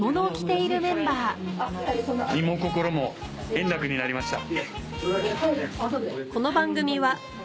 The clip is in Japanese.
身も心も円楽になりました。